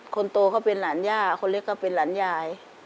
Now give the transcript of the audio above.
คนโตก็เป็นหลานย่าคนเล็กก็เป็นหลานยาย